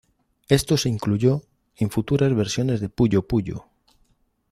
Esto se incluyó en futuras versiones de "Puyo Puyo".